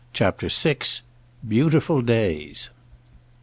CHAPTER VI. BEAUTIFUL DAYS.